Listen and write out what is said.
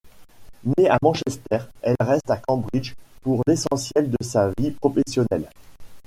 Née à Manchester, elle reste à Cambridge pour l'essentiel de sa vie professionnelle.